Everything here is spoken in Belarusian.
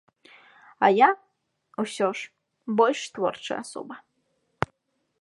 А я, усё ж, больш творчая асоба.